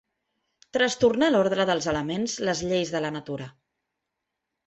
Trastornar l'ordre dels elements, les lleis de la natura.